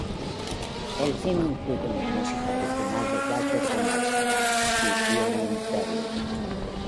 El film incluye una música original de Walter Donaldson y Irving Berlin.